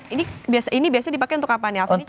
ini biasanya dipakai untuk apa nih alfie